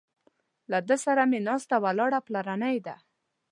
له ده سره مې ناسته ولاړه پلرنۍ ده.